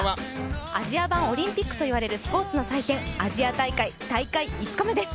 アジア版オリンピックといわれるスポーツの祭典、アジア大会大会５日目です。